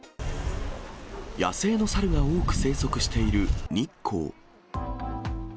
野生の猿が多く生息している日光。